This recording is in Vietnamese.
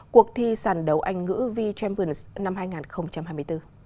cuộc thi sàn đấu anh ngữ v champions năm hai nghìn hai mươi bốn